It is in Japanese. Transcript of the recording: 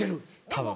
たぶん。